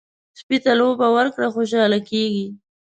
سپي ته لوبه ورکړه، خوشحاله کېږي.